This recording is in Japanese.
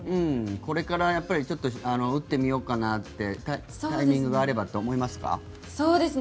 これから打ってみようかなってタイミングがあればって思いますか？